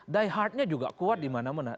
diehardnya juga kuat dimana mana